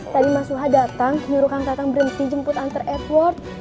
tadi mas suha datang nyuruh kang tatang berhenti jemput antar edward